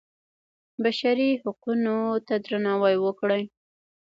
بشري حقونو ته درناوی وکړئ